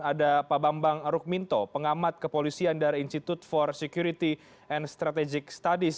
ada pak bambang rukminto pengamat kepolisian dari institute for security and strategic studies